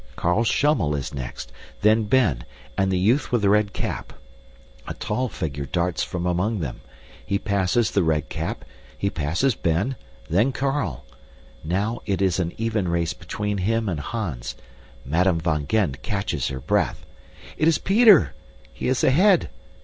Carl Schummel is next, then Ben, and the youth with the red cap. A tall figure darts from among them. He passes the red cap, he passes Ben, then Carl. Now it is an even race between him and Hans. Madame van Gend catches her breath. It is Peter! He is ahead!